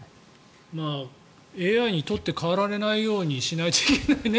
ＡＩに取って代わられないようにしないといけないね。